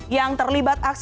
yang terlibat aksi plagiarisme